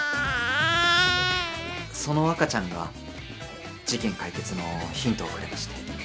・その赤ちゃんが事件解決のヒントをくれまして。